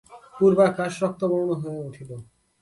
পূর্বাকাশ রক্তবর্ণ হইয়া উঠিল।